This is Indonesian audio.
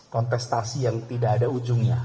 kontestasi yang tidak ada ujungnya